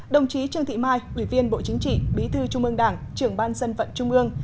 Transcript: đồng chí trương thị mai ủy viên bộ chính trị bí thư trung ương đảng trưởng ban dân vận trung ương